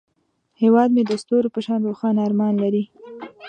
هیواد مې د ستورو په شان روښانه ارمان لري